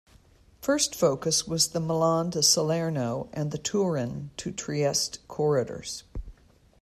First focus was the Milan to Salerno and the Turin to Trieste corridors.